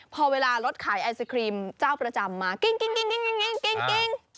พอเวลารถขายไอศครีมเจ้าประจำมากิ้ง